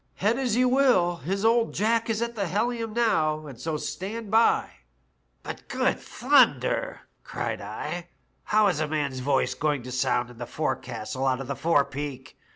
Head as you wiU, His old Jack as is at the helium now, and so stand by/" * "'But, good thunder!* cried I, *how is a man's voice going to sound in the forecastle out of the forepeak?